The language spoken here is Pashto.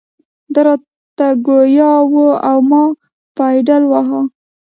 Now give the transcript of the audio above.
دی را ته ګویان و او ما پایډل واهه.